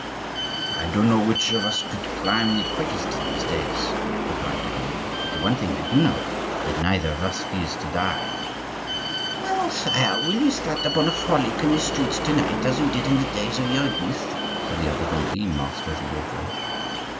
"I don't know which of us two could climb the quickest in these days," replied de Gondi; "but one thing I do know, that neither of us fears to die." "Well, sire, will you start upon a frolic in the streets to night, as you did in the days of your youth?" said the other Gondi, master of the Wardrobe.